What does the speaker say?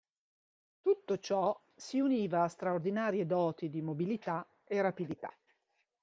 Tutto ciò si univa a straordinarie doti di mobilità e rapidità.